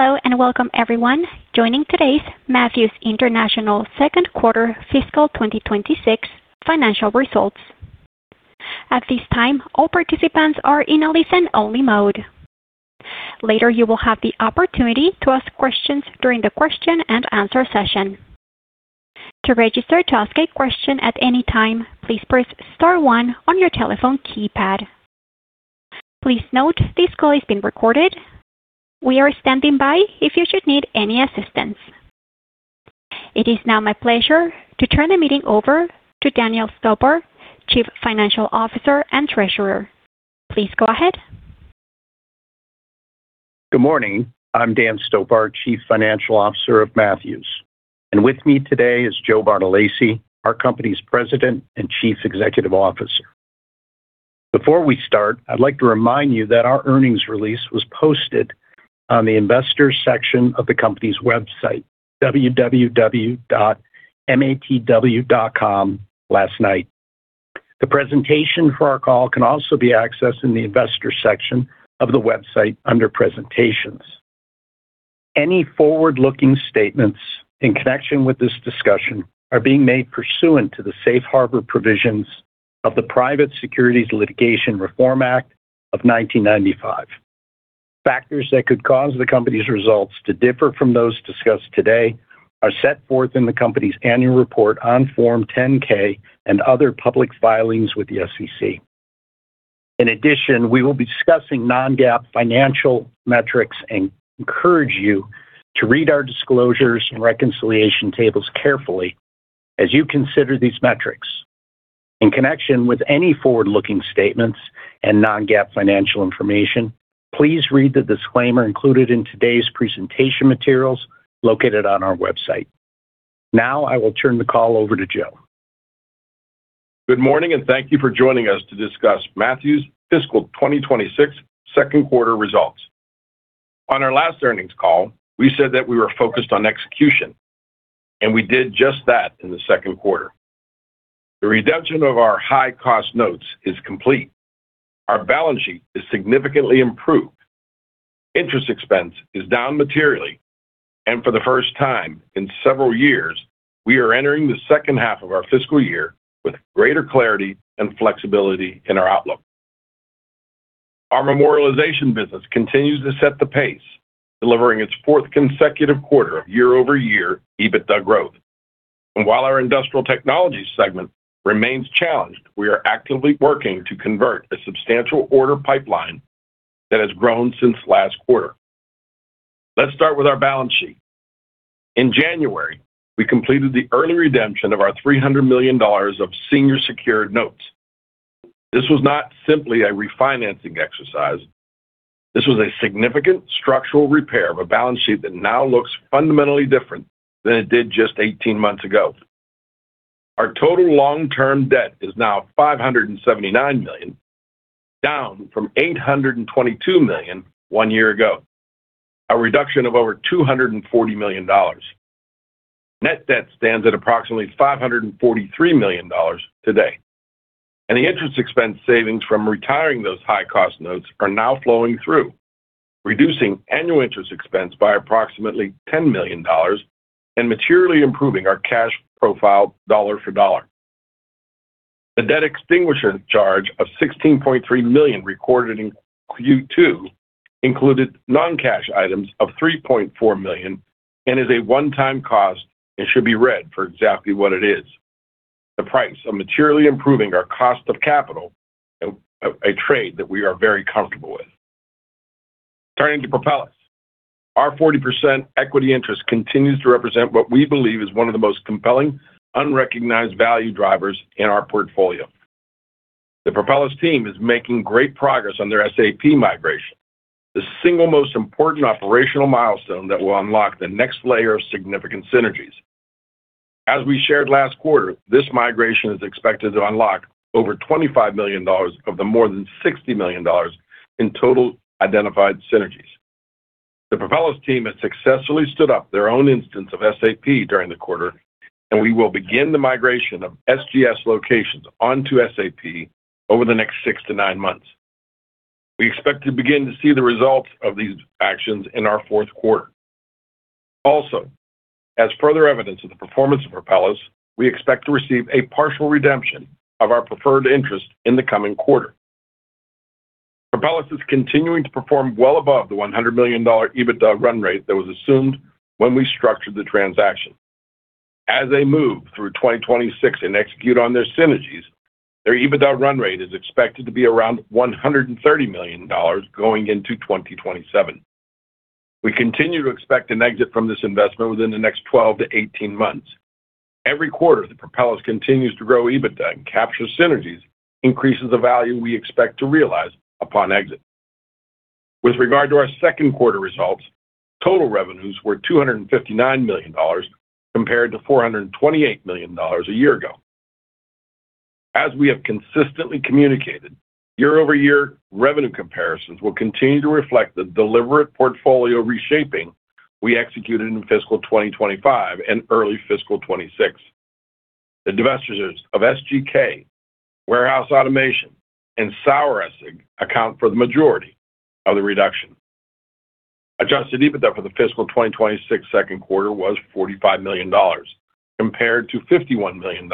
Hello and welcome everyone joining today's Matthews International second quarter fiscal 2026 financial results. At this time, all participants are in a listen-only mode. Later you will have the opportunity to ask questions during the question-and-answer session. To register to ask a question at any time, please press star one on your telephone keypad. Please note this call is being recorded. We are standing by if you should need any assistance. It is now my pleasure to turn the meeting over to Daniel Stopar, Chief Financial Officer and Treasurer. Please go ahead. Good morning. I'm Dan Stopar, Chief Financial Officer of Matthews. With me today is Joe Bartolacci, our company's President and Chief Executive Officer. Before we start, I'd like to remind you that our earnings release was posted on the Investors section of the company's website, matw.com last night. The presentation for our call can also be accessed in the Investors section of the website under Presentations. Any forward-looking statements in connection with this discussion are being made pursuant to the Safe Harbor provisions of the Private Securities Litigation Reform Act of 1995. Factors that could cause the company's results to differ from those discussed today are set forth in the company's annual report on Form 10-K and other public filings with the SEC. In addition, we will be discussing non-GAAP financial metrics and encourage you to read our disclosures and reconciliation tables carefully as you consider these metrics. In connection with any forward-looking statements and non-GAAP financial information, please read the disclaimer included in today's presentation materials located on our website. Now I will turn the call over to Joe. Good morning, and thank you for joining us to discuss Matthews' fiscal 2026 second quarter results. On our last earnings call, we said that we were focused on execution. We did just that in the second quarter. The redemption of our high-cost notes is complete. Our balance sheet is significantly improved. Interest expense is down materially. For the first time in several years, we are entering the second half of our fiscal year with greater clarity and flexibility in our outlook. Our Memorialization business continues to set the pace, delivering its fourth consecutive quarter of year-over-year EBITDA growth. While our Industrial Technologies segment remains challenged, we are actively working to convert a substantial order pipeline that has grown since last quarter. Let's start with our balance sheet. In January, we completed the early redemption of our $300 million of senior secured notes. This was not simply a refinancing exercise. This was a significant structural repair of a balance sheet that now looks fundamentally different than it did just 18 months ago. Our total long-term debt is now $579 million, down from $822 million one year ago, a reduction of over $240 million. Net debt stands at approximately $543 million today. The interest expense savings from retiring those high-cost notes are now flowing through, reducing annual interest expense by approximately $10 million and materially improving our cash profile dollar for dollar. The debt extinguisher charge of $16.3 million recorded in Q2 included non-cash items of $3.4 million and is a one-time cost and should be read for exactly what it is, the price of materially improving our cost of capital, a trade that we are very comfortable with. Turning to Propelis. Our 40% equity interest continues to represent what we believe is one of the most compelling, unrecognized value drivers in our portfolio. The Propelis team is making great progress on their SAP migration, the single most important operational milestone that will unlock the next layer of significant synergies. As we shared last quarter, this migration is expected to unlock over $25 million of the more than $60 million in total identified synergies. The Propelis team has successfully stood up their own instance of SAP during the quarter, and we will begin the migration of SGS locations onto SAP over the next six to nine months. We expect to begin to see the results of these actions in our fourth quarter. Also, as further evidence of the performance of Propelis, we expect to receive a partial redemption of our preferred interest in the coming quarter. Propelis is continuing to perform well above the $100 million EBITDA run rate that was assumed when we structured the transaction. As they move through 2026 and execute on their synergies, their EBITDA run rate is expected to be around $130 million going into 2027. We continue to expect an exit from this investment within the next 12 to 18 months. Every quarter that Propelis continues to grow EBITDA and capture synergies increases the value we expect to realize upon exit. With regard to our second quarter results, total revenues were $259 million compared to $428 million a year ago. As we have consistently communicated, year-over-year revenue comparisons will continue to reflect the deliberate portfolio reshaping we executed in fiscal 2025 and early fiscal 2026. The divestitures of SGK, Warehouse Automation, and Saueressig account for the majority of the reduction. Adjusted EBITDA for the fiscal 2026 second quarter was $45 million compared to $51 million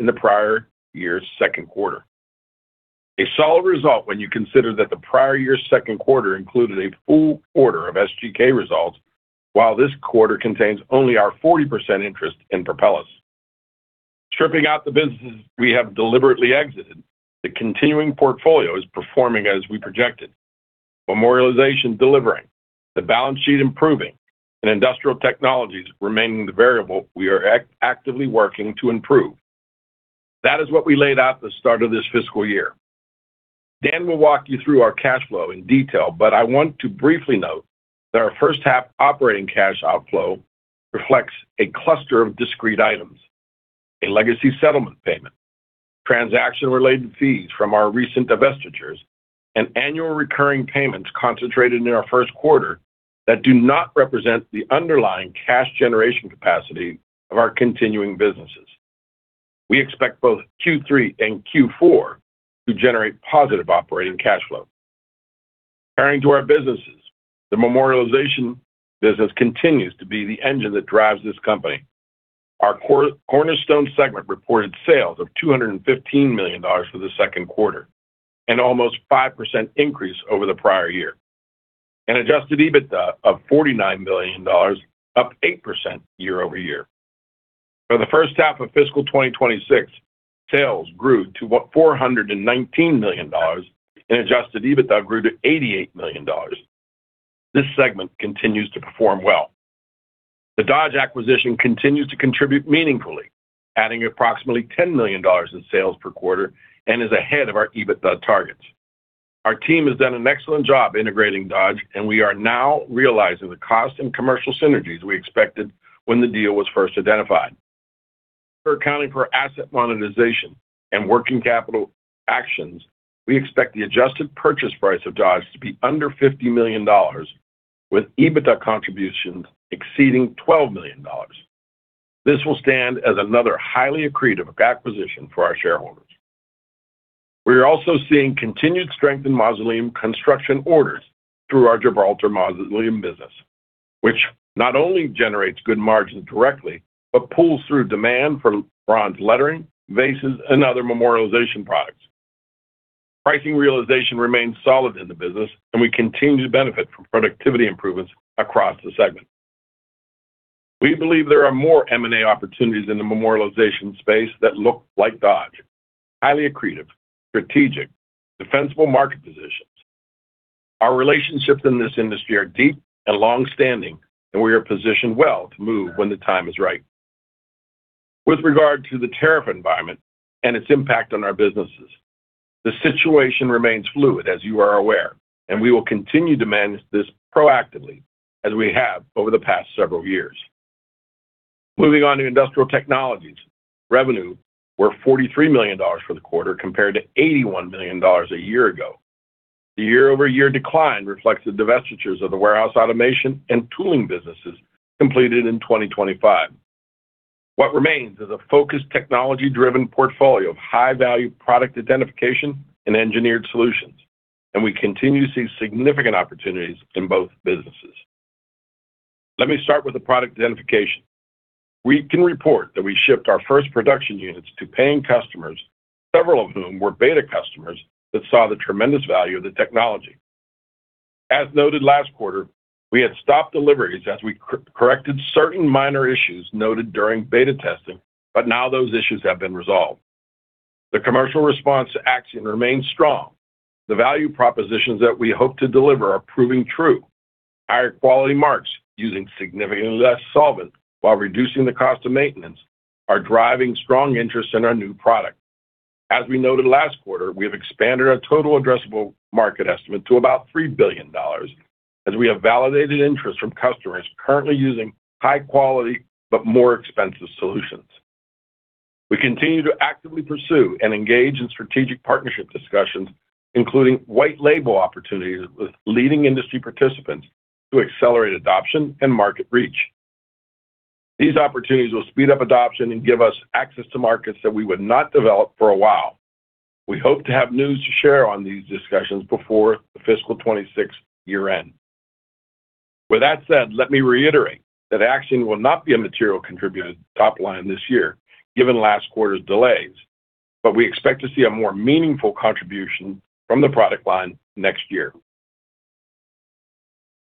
in the prior year's second quarter. A solid result when you consider that the prior year's second quarter included a full quarter of SGK results, while this quarter contains only our 40% interest in Propelis. Stripping out the businesses we have deliberately exited, the continuing portfolio is performing as we projected. Memorialization delivering, the balance sheet improving, and Industrial Technologies remaining the variable we are actively working to improve. That is what we laid out at the start of this fiscal year. Dan will walk you through our cash flow in detail, but I want to briefly note that our first half operating cash outflow reflects a cluster of discrete items, a legacy settlement payment, transaction-related fees from our recent divestitures, and annual recurring payments concentrated in our first quarter that do not represent the underlying cash generation capacity of our continuing businesses. We expect both Q3 and Q4 to generate positive operating cash flow. Turning to our businesses, the Memorialization business continues to be the engine that drives this company. Our cornerstone segment reported sales of $215 million for the second quarter and almost 5% increase over the prior year. An adjusted EBITDA of $49 million, up 8% year-over-year. For the first half of fiscal 2026, sales grew to $419 million, and adjusted EBITDA grew to $88 million. This segment continues to perform well. The Dodge Company acquisition continues to contribute meaningfully, adding approximately $10 million in sales per quarter and is ahead of our EBITDA targets. Our team has done an excellent job integrating The Dodge Company, and we are now realizing the cost and commercial synergies we expected when the deal was first identified. After accounting for asset monetization and working capital actions, we expect the adjusted purchase price of Dodge to be under $50 million with EBITDA contributions exceeding $12 million. This will stand as another highly accretive acquisition for our shareholders. We are also seeing continued strength in mausoleum construction orders through our Gibraltar Mausoleum business, which not only generates good margins directly but pulls through demand for bronze lettering, vases, and other Memorialization products. Pricing realization remains solid in the business, and we continue to benefit from productivity improvements across the segment. We believe there are more M&A opportunities in the Memorialization space that look like Dodge, highly accretive, strategic, defensible market positions. Our relationships in this industry are deep and long-standing, and we are positioned well to move when the time is right. With regard to the tariff environment and its impact on our businesses, the situation remains fluid, as you are aware, and we will continue to manage this proactively as we have over the past several years. Moving on to Industrial Technologies, revenue were $43 million for the quarter compared to $81 million a year ago. The year-over-year decline reflects the divestitures of the Warehouse Automation and tooling businesses completed in 2025. What remains is a focused technology-driven portfolio of high-value product identification and engineered solutions, and we continue to see significant opportunities in both businesses. Let me start with the product identification. We can report that we shipped our first production units to paying customers, several of whom were beta customers that saw the tremendous value of the technology. As noted last quarter, we had stopped deliveries as we corrected certain minor issues noted during beta testing, but now those issues have been resolved. The commercial response to Axian remains strong. The value propositions that we hope to deliver are proving true. Higher quality marks using significantly less solvent while reducing the cost of maintenance are driving strong interest in our new product. As we noted last quarter, we have expanded our total addressable market estimate to about $3 billion as we have validated interest from customers currently using high quality but more expensive solutions. We continue to actively pursue and engage in strategic partnership discussions, including white label opportunities with leading industry participants to accelerate adoption and market reach. These opportunities will speed up adoption and give us access to markets that we would not develop for a while. We hope to have news to share on these discussions before the fiscal 2026 year end. With that said, let me reiterate that Axian will not be a material contributor to top line this year, given last quarter's delays, but we expect to see a more meaningful contribution from the product line next year.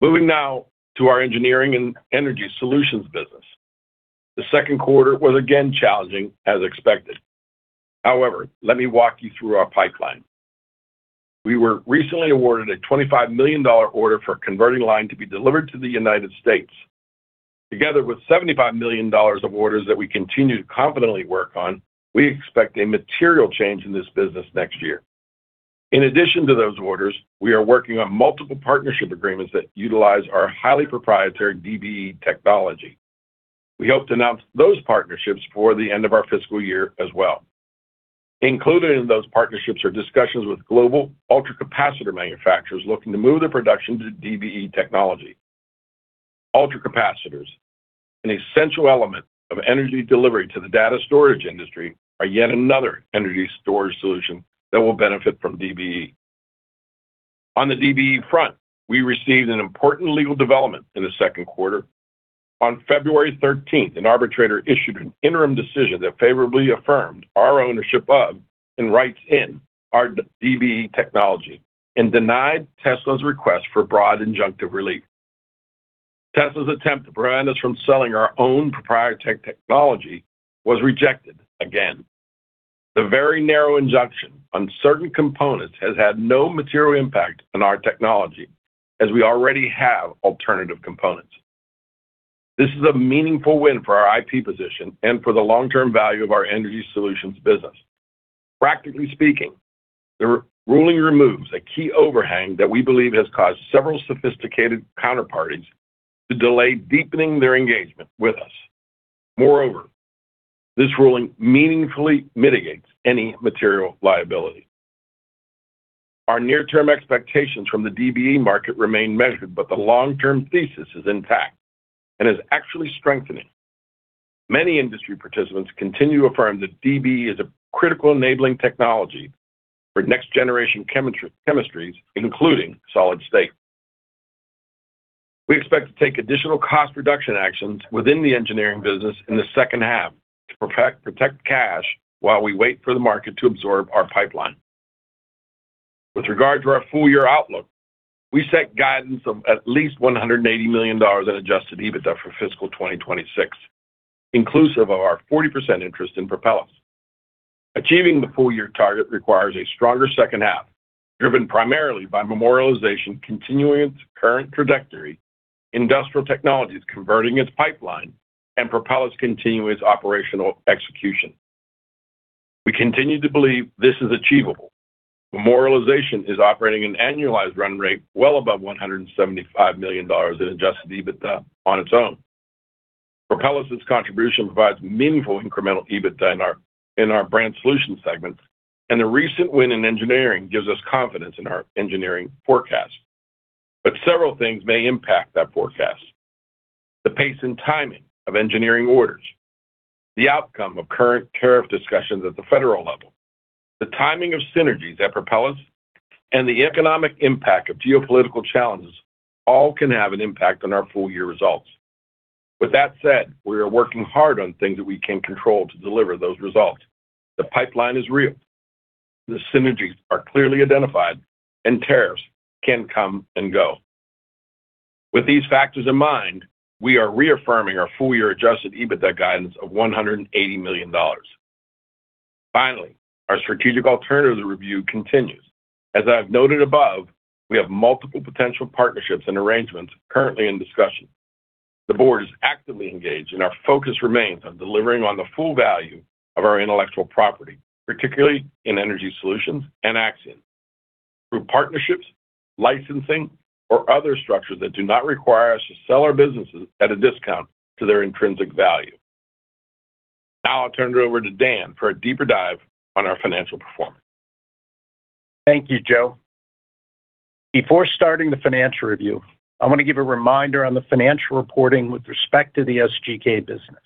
Moving now to our engineering and energy solutions business. The second quarter was again challenging as expected. However, let me walk you through our pipeline. We were recently awarded a $25 million order for a converting line to be delivered to the U.S. Together with $75 million of orders that we continue to confidently work on, we expect a material change in this business next year. In addition to those orders, we are working on multiple partnership agreements that utilize our highly proprietary DBE technology. We hope to announce those partnerships before the end of our fiscal year as well. Included in those partnerships are discussions with global ultracapacitor manufacturers looking to move their production to DBE technology. Ultracapacitors, an essential element of energy delivery to the data storage industry, are yet another energy storage solution that will benefit from DBE. On the DBE front, we received an important legal development in the second quarter. On February 13th, an arbitrator issued an interim decision that favorably affirmed our ownership of, and rights in our DBE technology and denied Tesla's request for broad injunctive relief. Tesla's attempt to prevent us from selling our own proprietary technology was rejected again. The very narrow injunction on certain components has had no material impact on our technology as we already have alternative components. This is a meaningful win for our IP position and for the long-term value of our energy solutions business. Practically speaking, the ruling removes a key overhang that we believe has caused several sophisticated counterparties to delay deepening their engagement with us. Moreover, this ruling meaningfully mitigates any material liability. Our near-term expectations from the DBE market remain measured, but the long-term thesis is intact and is actually strengthening. Many industry participants continue to affirm that DBE is a critical enabling technology for next generation chemistries, including solid state. We expect to take additional cost reduction actions within the engineering business in the second half to protect cash while we wait for the market to absorb our pipeline. With regard to our full year outlook, we set guidance of at least $180 million in adjusted EBITDA for fiscal 2026, inclusive of our 40% interest in Propelis. Achieving the full year target requires a stronger second half, driven primarily by Memorialization continuing its current trajectory, Industrial Technologies converting its pipeline, and Propelis continuing its operational execution. We continue to believe this is achievable. Memorialization is operating an annualized run rate well above $175 million in adjusted EBITDA on its own. Propelis' contribution provides meaningful incremental EBITDA in our brand solutions segment, and the recent win in engineering gives us confidence in our engineering forecast. Several things may impact that forecast. The pace and timing of engineering orders, the outcome of current tariff discussions at the federal level, the timing of synergies at Propelis, and the economic impact of geopolitical challenges all can have an impact on our full year results. With that said, we are working hard on things that we can control to deliver those results. The pipeline is real, the synergies are clearly identified, and tariffs can come and go. With these factors in mind, we are reaffirming our full year adjusted EBITDA guidance of $180 million. Finally, our strategic alternatives review continues. As I've noted above, we have multiple potential partnerships and arrangements currently in discussion. The board is actively engaged, and our focus remains on delivering on the full value of our intellectual property, particularly in energy solutions and Axian through partnerships, licensing or other structures that do not require us to sell our businesses at a discount to their intrinsic value. Now I'll turn it over to Dan for a deeper dive on our financial performance. Thank you, Joe. Before starting the financial review, I want to give a reminder on the financial reporting with respect to the SGK business.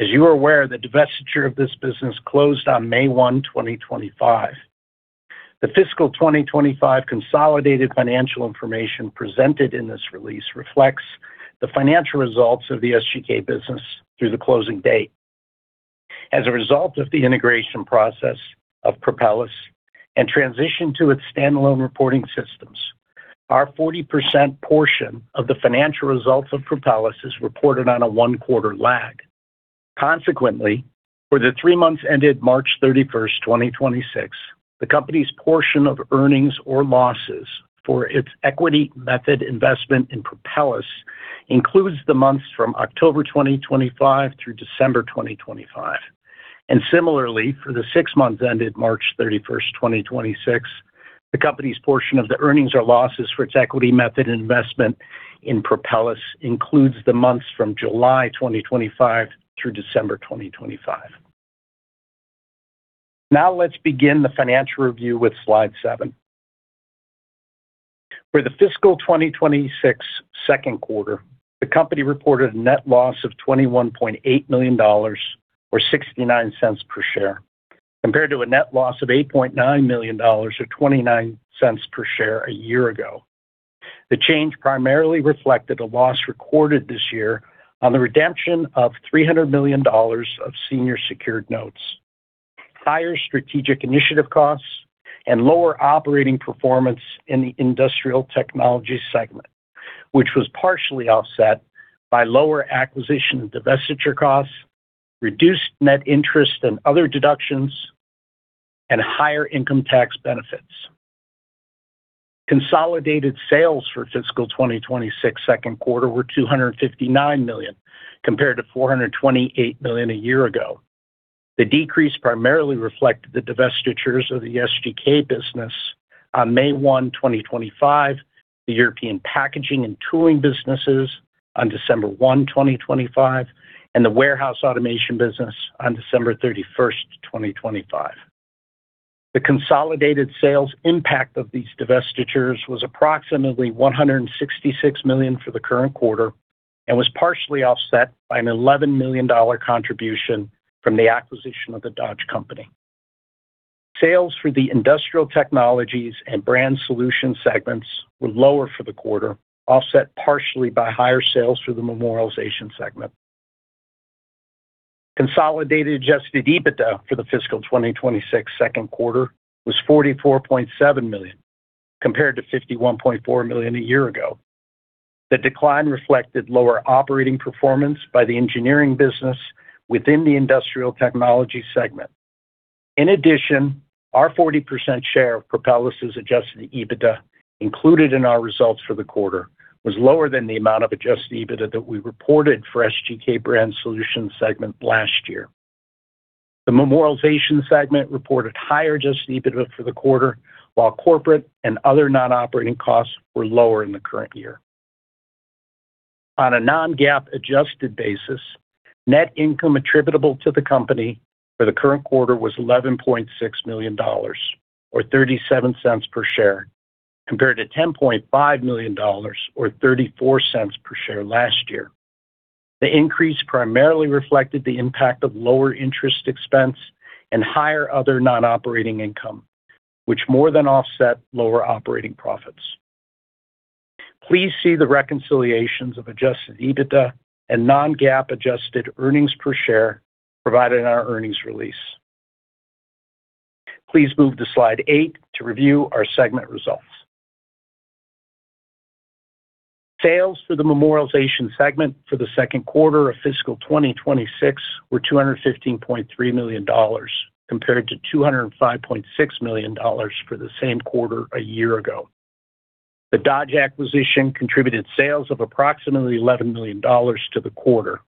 As you are aware, the divestiture of this business closed on May 1, 2025. The fiscal 2025 consolidated financial information presented in this release reflects the financial results of the SGK business through the closing date. As a result of the integration process of Propelis and transition to its standalone reporting systems, our 40% portion of the financial results of Propelis is reported on a one-quarter lag. Consequently, for the three months ended March 31, 2026, the company's portion of earnings or losses for its equity method investment in Propelis includes the months from October 2025 through December 2025. Similarly, for the six months ended March 31st, 2026, the company's portion of the earnings or losses for its equity method investment in Propelis includes the months from July 2025 through December 2025. Now let's begin the financial review with slide seven. For the fiscal 2026 second quarter, the company reported a net loss of $21.8 million or $0.69 per share, compared to a net loss of $8.9 million or $0.29 per share a year ago. The change primarily reflected a loss recorded this year on the redemption of $300 million of senior secured notes, higher strategic initiative costs, and lower operating performance in the Industrial Technologies segment, which was partially offset by lower acquisition and divestiture costs, reduced net interest and other deductions, and higher income tax benefits. Consolidated sales for fiscal 2026 second quarter were $259 million, compared to $428 million a year ago. The decrease primarily reflected the divestitures of the SGK business on May 1, 2025, the European packaging and tooling businesses on December 1, 2025, and the Warehouse Automation business on December 31, 2025. The consolidated sales impact of these divestitures was approximately $166 million for the current quarter and was partially offset by an $11 million contribution from the acquisition of The Dodge Company. Sales for the Industrial Technologies and Brand Solutions segments were lower for the quarter, offset partially by higher sales through the Memorialization segment. Consolidated adjusted EBITDA for the fiscal 2026 second quarter was $44.7 million, compared to $51.4 million a year ago. The decline reflected lower operating performance by the engineering business within the Industrial Technology segment. In addition, our 40% share of Propelis' adjusted EBITDA, included in our results for the quarter, was lower than the amount of adjusted EBITDA that we reported for SGK Brand Solutions segment last year. The Memorialization segment reported higher adjusted EBITDA for the quarter, while corporate and other non-operating costs were lower in the current year. On a non-GAAP adjusted basis, net income attributable to the company for the current quarter was $11.6 million, or $0.37 per share, compared to $10.5 million or $0.34 per share last year. The increase primarily reflected the impact of lower interest expense and higher other non-operating income, which more than offset lower operating profits. Please see the reconciliations of adjusted EBITDA and non-GAAP adjusted earnings per share provided in our earnings release. Please move to slide eight to review our segment results. Sales for the Memorialization segment for the second quarter of fiscal 2026 were $215.3 million, compared to $205.6 million for the same quarter a year ago. The Dodge acquisition contributed sales of approximately $11 million to the quarter.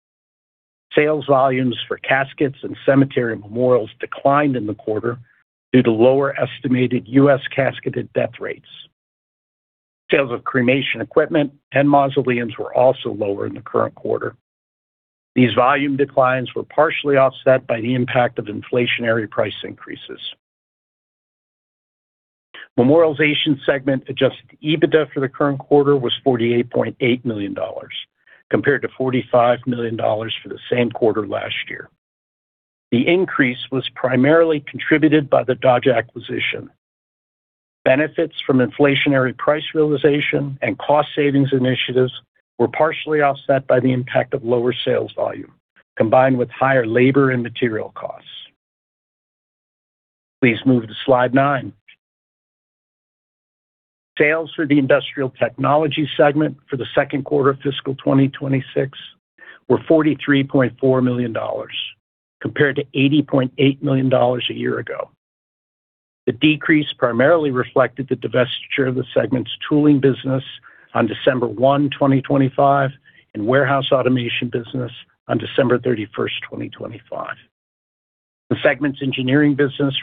Sales volumes for caskets and cemetery memorials declined in the quarter due to lower estimated U.S. casketed death rates. Sales of cremation equipment and mausoleums were also lower in the current quarter. These volume declines were partially offset by the impact of inflationary price increases. Memorialization segment adjusted EBITDA for the current quarter was $48.8 million, compared to $45 million for the same quarter last year. The increase was primarily contributed by the Dodge acquisition. Benefits from inflationary price realization and cost savings initiatives were partially offset by the impact of lower sales volume, combined with higher labor and material costs. Please move to slide nine. Sales for the Industrial Technologies segment for the second quarter of fiscal 2026 were $43.4 million, compared to $80.8 million a year ago. The decrease primarily reflected the divestiture of the segment's tooling business on December 1, 2025, and Warehouse Automation business on December 31, 2025. The segment's engineering business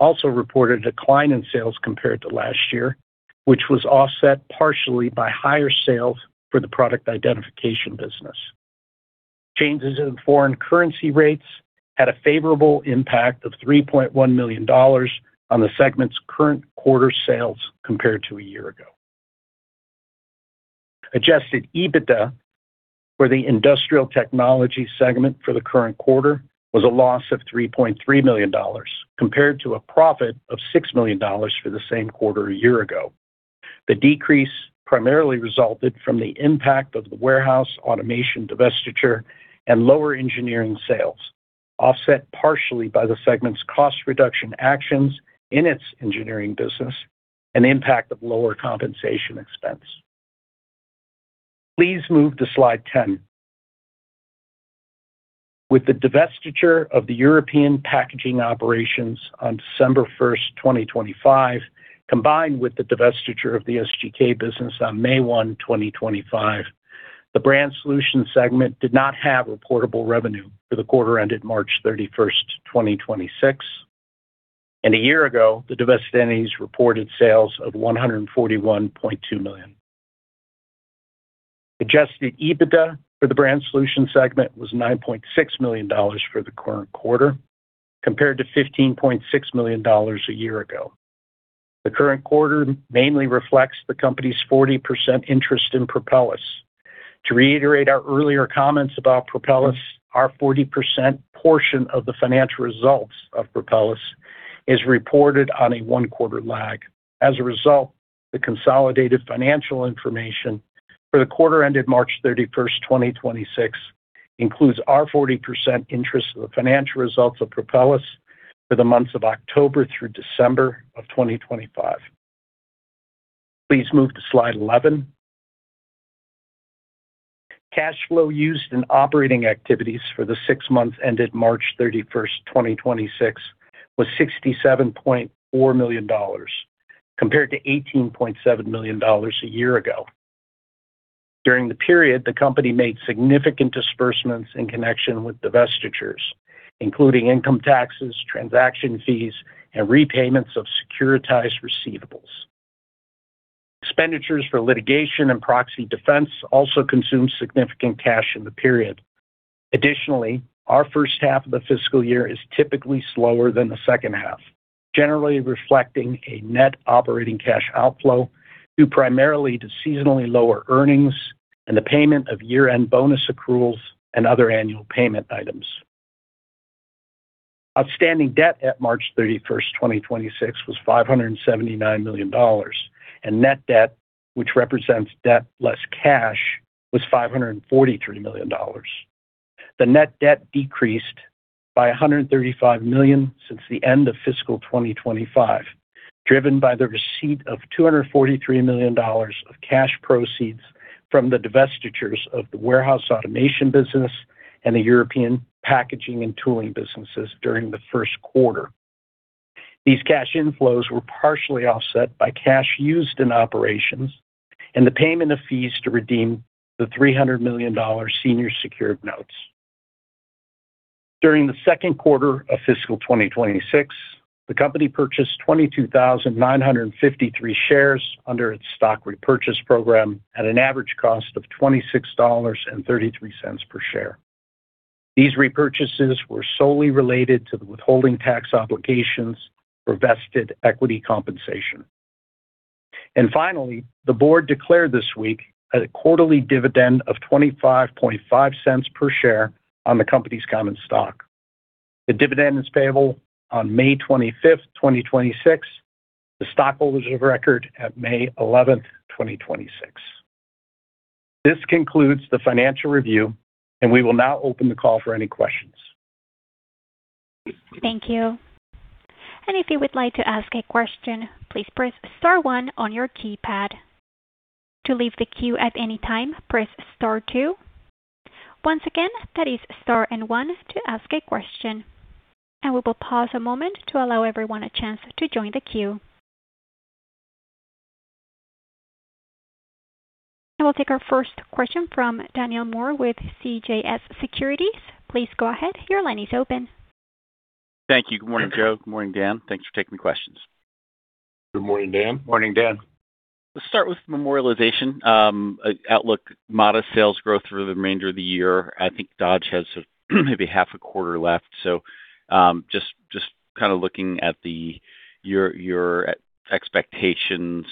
also reported a decline in sales compared to last year, which was offset partially by higher sales for the product identification business. Changes in foreign currency rates had a favorable impact of $3.1 million on the segment's current quarter sales compared to a year ago. Adjusted EBITDA for the Industrial Technologies segment for the current quarter was a loss of $3.3 million, compared to a profit of $6 million for the same quarter a year ago. The decrease primarily resulted from the impact of the Warehouse Automation divestiture and lower engineering sales, offset partially by the segment's cost reduction actions in its engineering business and impact of lower compensation expense. Please move to slide 10. With the divestiture of the European packaging operations on December 1, 2025, combined with the divestiture of the SGK business on May 1, 2025, the Brand Solutions segment did not have reportable revenue for the quarter ended March 31, 2026. A year ago, the divestees reported sales of $141.2 million. Adjusted EBITDA for the Brand Solutions segment was $9.6 million for the current quarter, compared to $15.6 million a year ago. The current quarter mainly reflects the company's 40% interest in Propelis. To reiterate our earlier comments about Propelis, our 40% portion of the financial results of Propelis is reported on a one-quarter lag. The consolidated financial information for the quarter ended March 31, 2026 includes our 40% interest in the financial results of Propelis for the months of October through December of 2025. Please move to slide 11. Cash flow used in operating activities for the six months ended March 31, 2026 was $67.4 million, compared to $18.7 million a year ago. During the period, the company made significant disbursements in connection with divestitures, including income taxes, transaction fees, and repayments of securitized receivables. Expenditures for litigation and proxy defense also consumed significant cash in the period. Additionally, our first half of the fiscal year is typically slower than the second half, generally reflecting a net operating cash outflow due primarily to seasonally lower earnings and the payment of year-end bonus accruals and other annual payment items. Outstanding debt at March 31st, 2026 was $579 million, and net debt, which represents debt less cash, was $543 million. The net debt decreased by $135 million since the end of fiscal 2025, driven by the receipt of $243 million of cash proceeds from the divestitures of the Warehouse Automation business and the European packaging and tooling businesses during the first quarter. These cash inflows were partially offset by cash used in operations and the payment of fees to redeem the $300 million senior secured notes. During the second quarter of fiscal 2026, the company purchased 22,953 shares under its stock repurchase program at an average cost of $26.33 per share. These repurchases were solely related to the withholding tax obligations for vested equity compensation. Finally, the board declared this week a quarterly dividend of $0.255 per share on the company's common stock. The dividend is payable on May 25th, 2026, to stockholders of record at May 11th, 2026. This concludes the financial review, and we will now open the call for any questions. Thank you. If you would like to ask a question, please press star one on your keypad. To leave the queue at any time, press star two. Once again, that is star and one to ask a question. We will pause a moment to allow everyone a chance to join the queue. We'll take our first question from Daniel Moore with CJS Securities. Please go ahead. Your line is open. Thank you. Good morning, Joe. Good morning, Dan. Thanks for taking the questions. Good morning, Dan. Morning, Dan. Let's start with Memorialization outlook, modest sales growth through the remainder of the year. I think Dodge has maybe half a quarter left. Just kind of looking at your expectations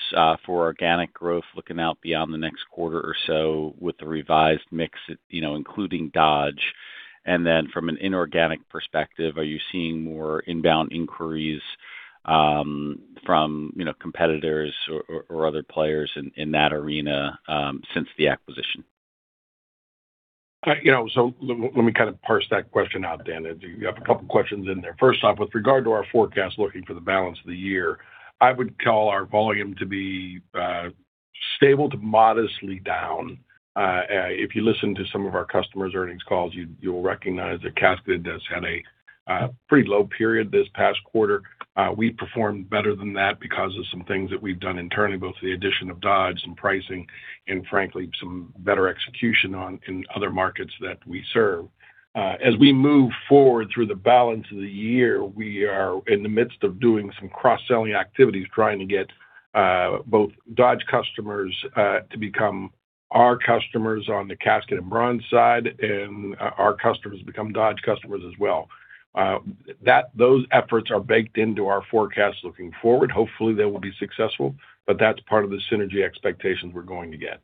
for organic growth looking out beyond the next quarter or so with the revised mix, you know, including Dodge. From an inorganic perspective, are you seeing more inbound inquiries from, you know, competitors or other players in that arena since the acquisition? You know, let me kind of parse that question out, Dan. You have a couple of questions in there. First off, with regard to our forecast looking for the balance of the year, I would call our volume to be stable to modestly down. If you listen to some of our customers' earnings calls, you'll recognize that casket has had a pretty low period this past quarter. We performed better than that because of some things that we've done internally, both the addition of Dodge and pricing, and frankly, some better execution in other markets that we serve. As we move forward through the balance of the year, we are in the midst of doing some cross-selling activities, trying to get, both Dodge customers, to become our customers on the casket and bronze side and our customers become Dodge customers as well. Those efforts are baked into our forecast looking forward. Hopefully, they will be successful, but that's part of the synergy expectations we're going to get.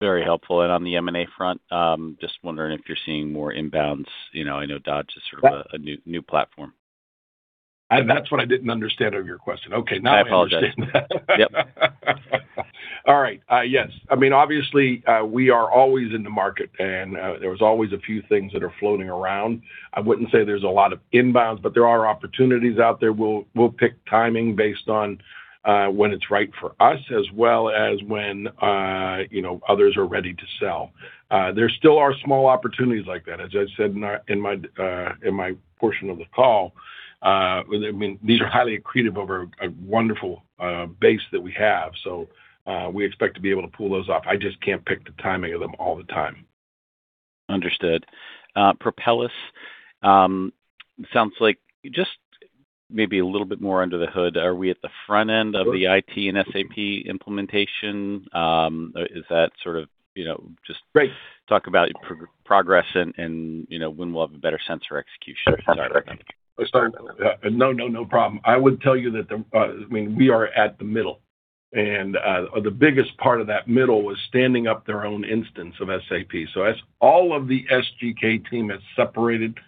Very helpful. On the M&A front, just wondering if you're seeing more inbounds. You know, I know Dodge is sort of a new platform. That's what I didn't understand of your question. Okay, now I understand. I apologize. Yep. All right. Yes. I mean, obviously, we are always in the market, and there's always a few things that are floating around. I wouldn't say there's a lot of inbounds, but there are opportunities out there. We'll pick timing based on when it's right for us as well as when, you know, others are ready to sell. There still are small opportunities like that. As I said in my portion of the call, I mean, these are highly accretive over a wonderful, base that we have. We expect to be able to pull those off. I just can't pick the timing of them all the time. Understood. Propelis sounds like just maybe a little bit more under the hood. Are we at the front end of the IT and SAP implementation? Right. Talk about progress and, you know, when we'll have a better sense or execution. No, no problem. I would tell you that, I mean, we are at the middle, and the biggest part of that middle was standing up their own instance of SAP. As all of the SGK team has separated.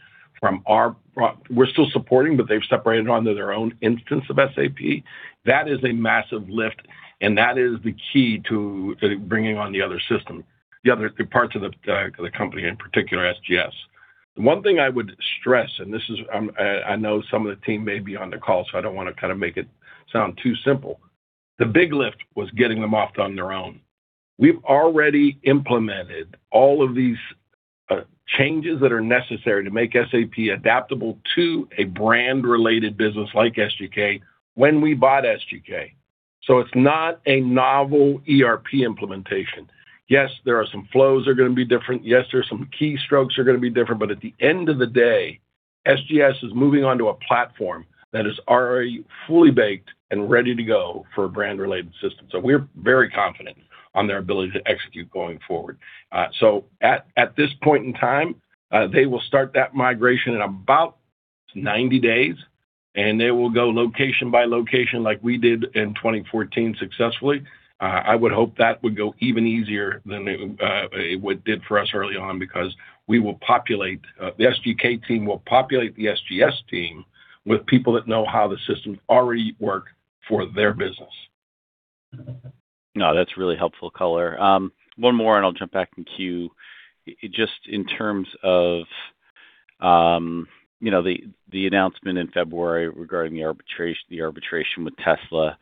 We're still supporting, but they've separated onto their own instance of SAP. That is a massive lift, and that is the key to bringing on the other system, the other parts of the company, in particular, SGS. One thing I would stress, and this is, I know some of the team may be on the call, so I don't want to kind of make it sound too simple. The big lift was getting them off on their own. We've already implemented all of these changes that are necessary to make SAP adaptable to a brand-related business like SGK when we bought SGK. It's not a novel ERP implementation. Yes, there are some flows that are gonna be different. Yes, there are some key strokes are gonna be different. At the end of the day, SGS is moving onto a platform that is already fully baked and ready to go for a brand-related system. We're very confident on their ability to execute going forward. At this point in time, they will start that migration in about 90 days, and they will go location by location like we did in 2014 successfully. I would hope that would go even easier than it did for us early on because the SGK team will populate the SGS team with people that know how the systems already work for their business. No, that's really helpful color. One more, and I'll jump back in queue. Just in terms of, you know, the announcement in February regarding the arbitration with Tesla,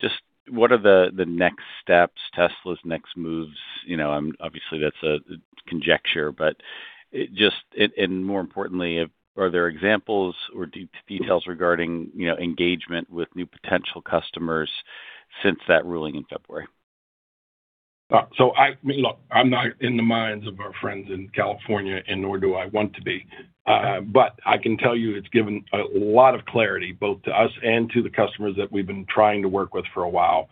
just what are the next steps, Tesla's next moves? You know, obviously, that's a conjecture, but more importantly, are there examples or details regarding, you know, engagement with new potential customers since that ruling in February? Look, I'm not in the minds of our friends in California, and nor do I want to be. Okay. I can tell you it's given a lot of clarity, both to us and to the customers that we've been trying to work with for a while.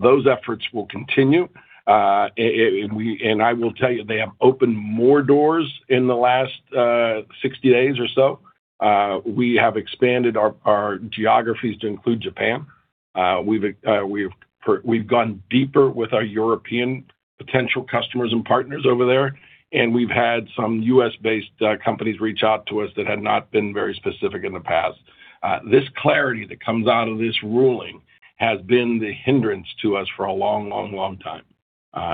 Those efforts will continue. I will tell you, they have opened more doors in the last 60 days or so. We have expanded our geographies to include Japan. We've gone deeper with our European potential customers and partners over there, and we've had some U.S.-based companies reach out to us that had not been very specific in the past. This clarity that comes out of this ruling has been the hindrance to us for a long, long, long time.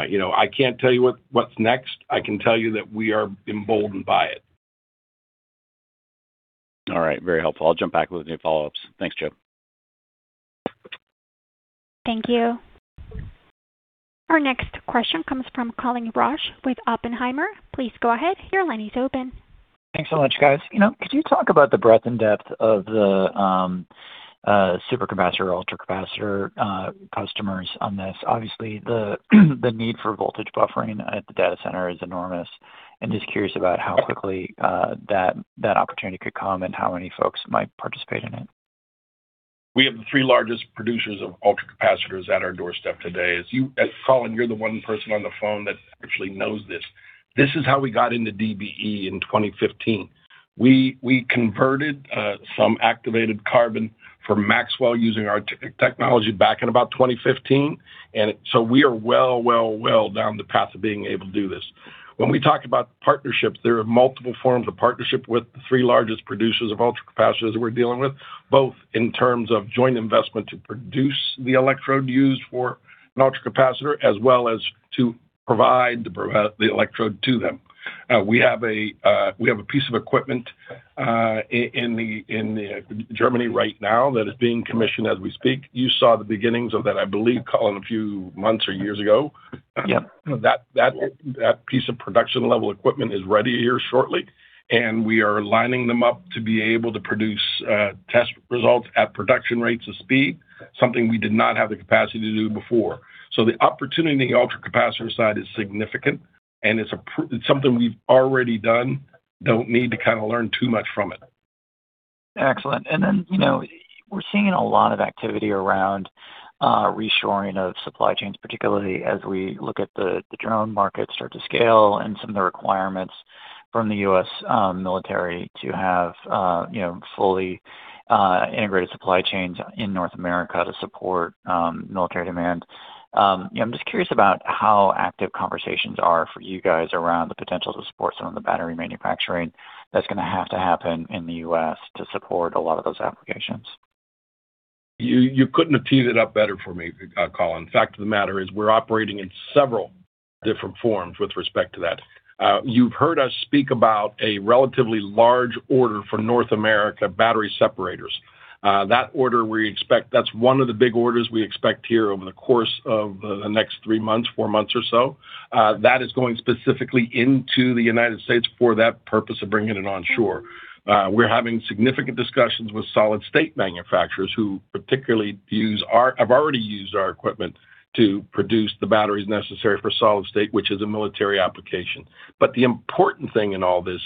You know, I can't tell you what's next. I can tell you that we are emboldened by it. All right. Very helpful. I'll jump back with any follow-ups. Thanks, Joe. Thank you. Our next question comes from Colin Rusch with Oppenheimer. Please go ahead. Your line is open. Thanks so much, guys. You know, could you talk about the breadth and depth of the supercapacitor, ultracapacitor customers on this? The need for voltage buffering at the data center is enormous. I'm just curious about how quickly that opportunity could come and how many folks might participate in it. We have the three largest producers of ultracapacitors at our doorstep today. As Colin, you're the one person on the phone that actually knows this. This is how we got into DBE in 2015. We converted some activated carbon for Maxwell using our technology back in about 2015, and so we are well down the path of being able to do this. When we talk about partnerships, there are multiple forms of partnership with the three largest producers of ultracapacitors we're dealing with, both in terms of joint investment to produce the electrode used for an ultracapacitor, as well as to provide the electrode to them. We have a piece of equipment in the Germany right now that is being commissioned as we speak. You saw the beginnings of that, I believe, Colin, a few months or years ago. Yeah. That piece of production-level equipment is ready here shortly, and we are lining them up to be able to produce test results at production rates of speed, something we did not have the capacity to do before. The opportunity in the ultracapacitor side is significant, and it's something we've already done. Don't need to kinda learn too much from it. Excellent. Then, you know, we're seeing a lot of activity around reshoring of supply chains, particularly as we look at the drone market start to scale and some of the requirements from the U.S. military to have, you know, fully integrated supply chains in North America to support military demand. You know, I'm just curious about how active conversations are for you guys around the potential to support some of the battery manufacturing that's gonna have to happen in the U.S. to support a lot of those applications. You, you couldn't have teed it up better for me, Colin. The fact of the matter is we're operating in several different forms with respect to that. You've heard us speak about a relatively large order for North America battery separators. That's one of the big orders we expect here over the course of the next three months, four months or so. That is going specifically into the United States for that purpose of bringing it onshore. We're having significant discussions with solid state manufacturers who particularly have already used our equipment to produce the batteries necessary for solid state, which is a military application. The important thing in all this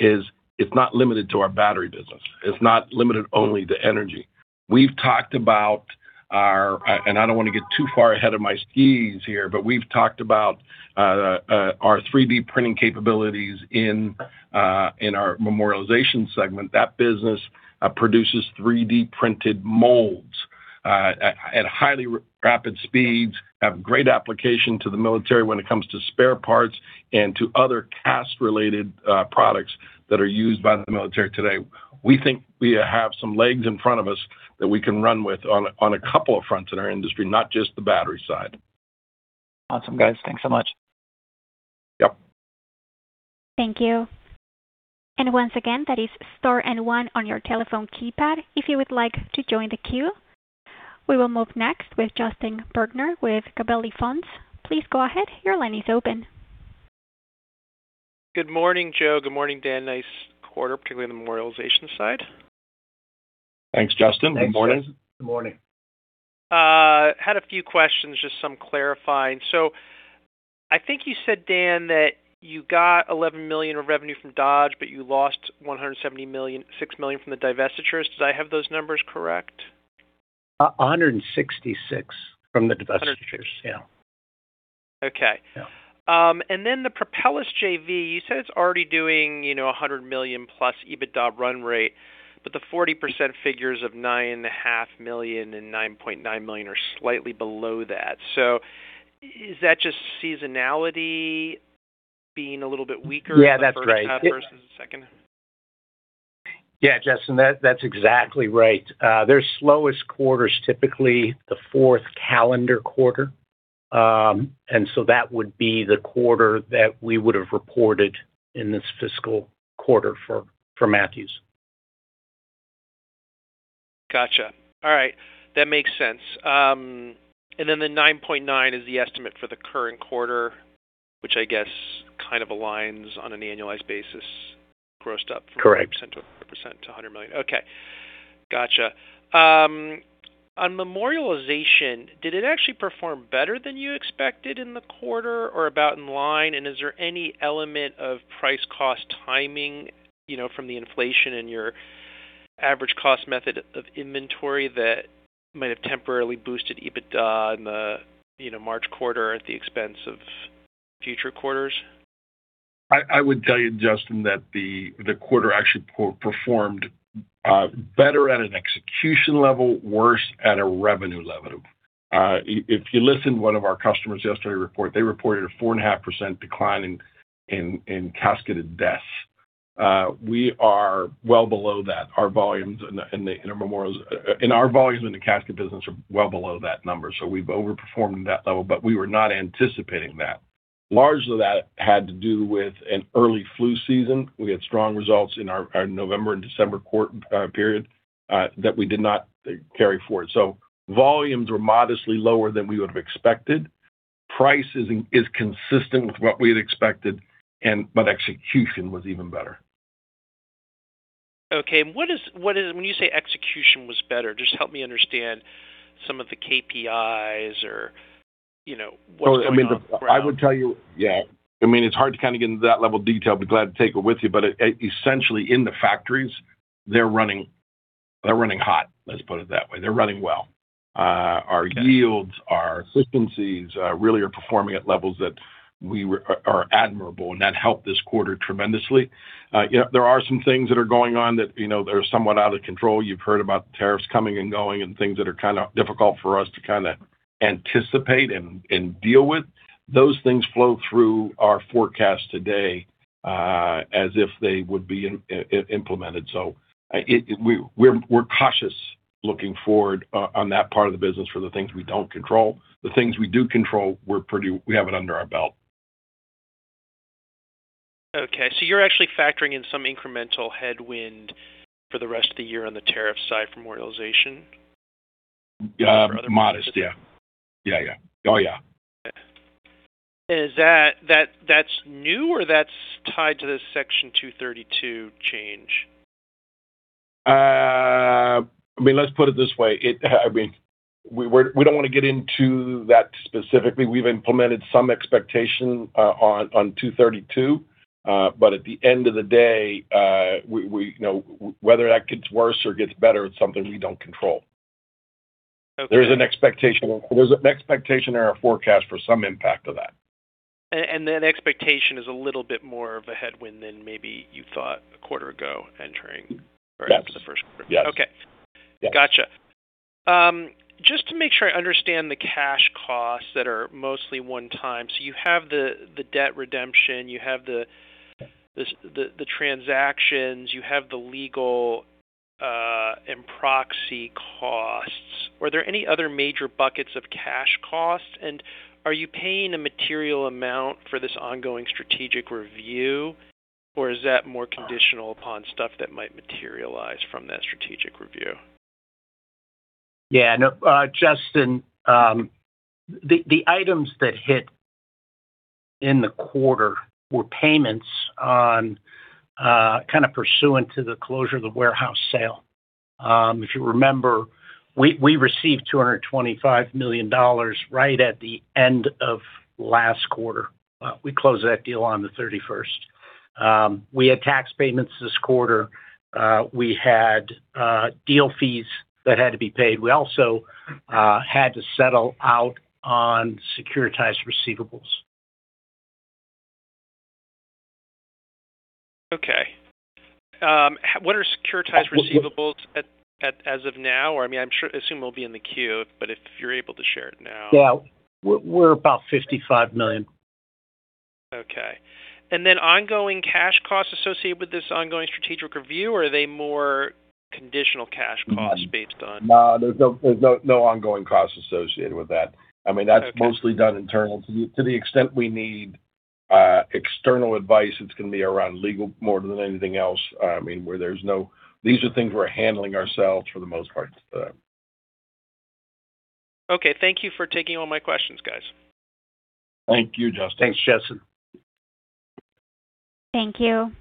is it's not limited to our battery business. It's not limited only to energy. We've talked about our... I don't want to get too far ahead of my skis here, but we've talked about our 3D printing capabilities in our Memorialization Segment. That business produces 3D printed molds at highly rapid speeds, have great application to the military when it comes to spare parts and to other cast-related products that are used by the military today. We think we have some legs in front of us that we can run with on two fronts in our industry, not just the battery side. Awesome, guys. Thanks so much. Thank you. Once again, that is star one on your telephone keypad, if you would like to join the queue. We will move next with Justin Bergner with Gabelli Funds. Please go ahead. Your line is open. Good morning, Joe. Good morning, Dan. Nice quarter, particularly the Memorialization side. Thanks, Justin. Good morning. Thanks. Good morning. Had a few questions, just some clarifying. I think you said, Dan, that you got $11 million of revenue from Dodge, but you lost $176 million from the divestitures. Did I have those numbers correct? $166 from the divestitures. 166. Yeah. Okay. The Propelis JV, you said it's already doing, you know, a $100 million-plus EBITDA run rate, but the 40% figures of nine and a half million and $9.9 million are slightly below that. Is that just seasonality being a little bit weaker? Yeah, that's right. on the first half versus the second? Yeah, Justin, that's exactly right. Their slowest quarter is typically the fourth calendar quarter. That would be the quarter that we would have reported in this fiscal quarter for Matthews. Gotcha. All right. That makes sense. The 9.9 is the estimate for the current quarter, which I guess kind of aligns on an annualized basis, grossed up. Correct. - from 40% to 100% to $100 million. Okay. Gotcha. On Memorialization, did it actually perform better than you expected in the quarter or about in line? Is there any element of price cost timing, you know, from the inflation in your average cost method of inventory that might have temporarily boosted EBITDA in the, you know, March quarter at the expense of future quarters? I would tell you, Justin, that the quarter actually performed better at an execution level, worse at a revenue level. If you listen to one of our customers yesterday report, they reported a 4.5% decline in casketed deaths. We are well below that. Our volumes in our memorials and our volumes in the casket business are well below that number, so we've overperformed that level, but we were not anticipating that. Large of that had to do with an early flu season. We had strong results in our November and December period that we did not carry forward. Volumes were modestly lower than we would have expected. Price is consistent with what we had expected, but execution was even better. Okay. What is, when you say execution was better, just help me understand some of the KPIs or, you know, what's going on on the ground. I would tell you. Yeah, I mean, it's hard to kind of get into that level of detail. I'd be glad to take it with you. Essentially, in the factories, they're running hot, let's put it that way. They're running well. Our yields, our consistencies, really are performing at levels that we are admirable, and that helped this quarter tremendously. You know, there are some things that are going on that, you know, are somewhat out of control. You've heard about the tariffs coming and going and things that are kind of difficult for us to kind of anticipate and deal with. Those things flow through our forecast today, as if they would be implemented. We're, we're cautious looking forward on that part of the business for the things we don't control. The things we do control, we have it under our belt. Okay. You're actually factoring in some incremental headwind for the rest of the year on the tariff side for Memorialization? Yeah. Modest. Yeah. Yeah, yeah. Oh, yeah. That's new or that's tied to the Section 232 change? I mean, let's put it this way. I mean, we don't want to get into that specifically. We've implemented some expectation on 232. At the end of the day, we, you know, whether that gets worse or gets better, it's something we don't control. Okay. There's an expectation in our forecast for some impact of that. That expectation is a little bit more of a headwind than maybe you thought a quarter ago entering- Yes. -or after the first quarter. Yes. Okay. Yes. Gotcha. Just to make sure I understand the cash costs that are mostly one-time. You have the debt redemption, you have the transactions, you have the legal and proxy costs. Were there any other major buckets of cash costs? Are you paying a material amount for this ongoing strategic review, or is that more conditional upon stuff that might materialize from that strategic review? Yeah. No, Justin, the items that hit in the quarter were payments on kind of pursuant to the closure of the warehouse sale. If you remember, we received $225 million right at the end of last quarter. We closed that deal on the thirty-first. We had tax payments this quarter. We had deal fees that had to be paid. We also had to settle out on securitized receivables. Okay. What are securitized receivables as of now? I mean, I assume it will be in the queue, but if you are able to share it now. Yeah. We're about $55 million. Okay. Then ongoing cash costs associated with this ongoing strategic review, or are they more conditional cash costs based on? No, there's no ongoing costs associated with that. Okay. Mostly done internal. To the extent we need external advice, it's gonna be around legal more than anything else. I mean, These are things we're handling ourselves for the most part today. Okay. Thank you for taking all my questions, guys. Thank you, Justin. Thanks, Justin. Thank you.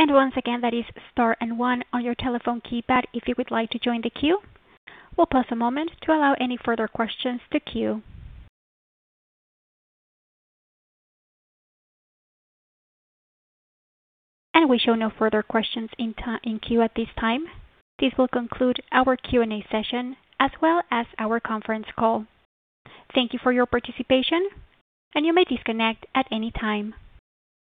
Once again, that is star one on your telephone keypad if you would like to join the queue. We'll pause a moment to allow any further questions to queue. We show no further questions in queue at this time. This will conclude our Q&A session as well as our conference call. Thank you for your participation, and you may disconnect at any time.